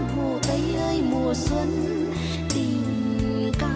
hồ tây ơi mùa xuân tình ca đơm hoa từ lòng đất